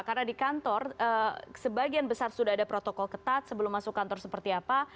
karena di kantor sebagian besar sudah ada protokol ketat sebelum masuk kantor seperti apa